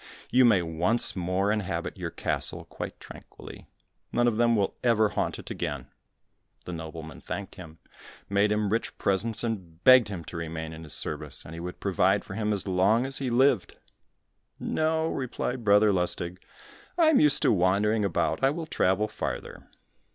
You may once more inhabit your castle quite tranquilly, none of them will ever haunt it again." The nobleman thanked him, made him rich presents, and begged him to remain in his service, and he would provide for him as long as he lived. "No," replied Brother Lustig, "I am used to wandering about, I will travel farther."